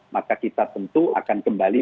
maka kita tentu akan kembali